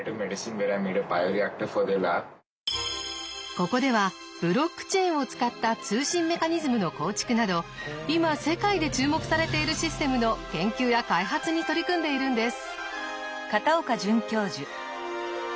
ここではブロックチェーンを使った通信メカニズムの構築など今世界で注目されているシステムの研究や開発に取り組んでいるんです。